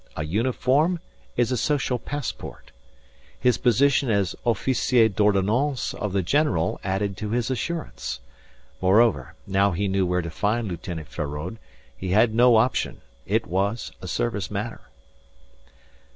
A uniform is a social passport. His position as officier d'ordonnance of the general added to his assurance. Moreover, now he knew where to find Lieutenant Feraud, he had no option. It was a service matter.